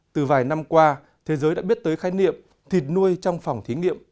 từ vài năm qua thế giới đã biết tới khái niệm thịt nuôi trong phòng thí nghiệm